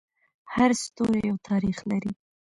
هر ستوری یو تاریخ لري.